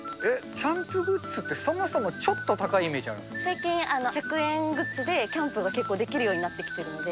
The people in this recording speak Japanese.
キャンプグッズって、そもそもちょっと高いイメージあ最近、１００円グッズでキャンプが結構できるようになってきているので。